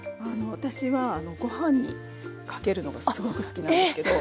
私はご飯にかけるのがすごく好きなんですけど。